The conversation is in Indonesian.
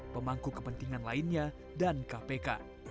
pemangku kepentingan lainnya dan kpk